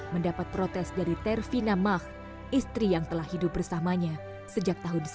mendapat protes dari tervina mah istri yang telah hidup bersamanya sejak tahun seribu sembilan ratus sembilan puluh